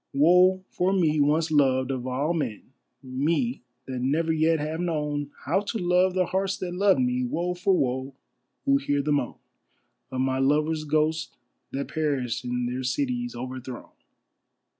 Woe for me once loved of all men, me that never yet have known How to love the hearts that loved me. Woe for woe, who hear the moan Of my lovers' ghosts that perished in their cities overthrown.